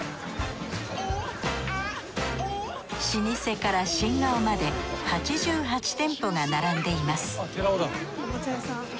老舗から新顔まで８８店舗が並んでいます。